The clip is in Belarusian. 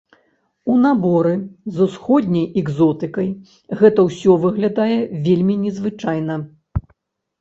У наборы з усходняй экзотыкай гэта ўсе выглядае вельмі незвычайна.